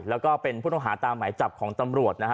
แล้วก็เป็นผู้ต้องหาตามหมายจับของตำรวจนะฮะ